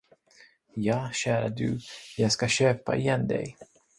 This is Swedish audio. Ja, kära du, jag ska köpa igen dig.